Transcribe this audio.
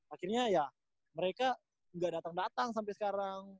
akhirnya ya mereka gak datang datang sampe sekarang